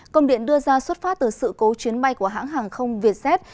công điện đưa ra xuất phát từ sự cố chuyến bay của hãng hàng không vietjet